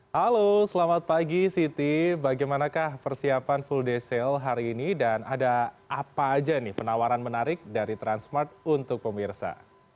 halo selamat pagi siti bagaimanakah persiapan full day sale hari ini dan ada apa aja nih penawaran menarik dari transmart untuk pemirsa